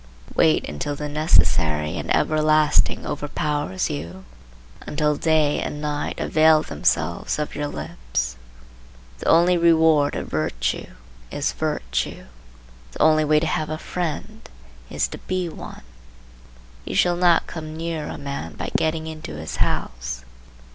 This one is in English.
Wait until the necessary and everlasting overpowers you, until day and night avail themselves of your lips. The only reward of virtue is virtue; the only way to have a friend is to be one. You shall not come nearer a man by getting into his house.